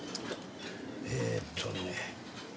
えーっとね。